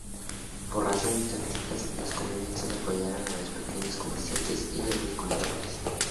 Por razones tácticas, los comunistas apoyaron a los pequeños comerciantes y agricultores.